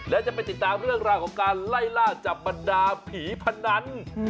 และจะไปติดตามเรื่องราวของการไล่ล่าจับบรรดาผีพนัน